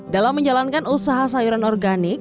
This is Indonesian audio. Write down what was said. dalam menjalankan usaha sayuran organik